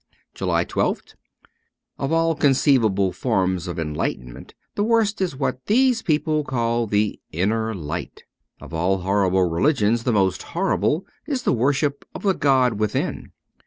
213 JULY 1 2th OF all conceivable forms of enlightenment the worst is what these people call the Inner Light. Of all horrible religions the most horrible is the worship of the god within.